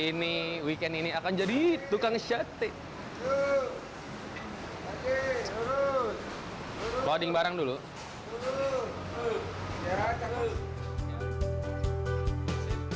ini weekend ini akan jadi tukang sate hai ke tiga bodi barang dulu dulu dulu ya rata dulu